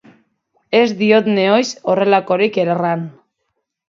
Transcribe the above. Ez diot nehoiz horrelakorik erran!